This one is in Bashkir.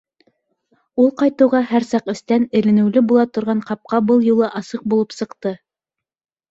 Ул ҡайтыуға һәр саҡ эстән эленеүле була торған ҡапҡа был юлы асыҡ булып сыҡты.